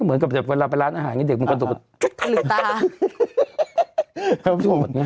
เหมือนกับเวลาไปร้านอาหารนี่เด็กมันก็ตกทะเล